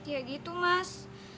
ya gitu mas